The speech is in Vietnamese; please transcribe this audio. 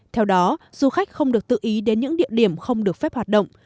theo đó du khách không được tự ý đến những địa điểm không được phép hoạt động